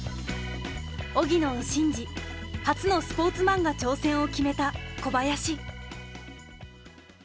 荻野を信じ初のスポーツマンガ挑戦を決めた小林。